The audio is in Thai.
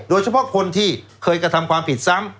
โดยเฉพาะคนที่เคยกระทำความผิดซ้ำ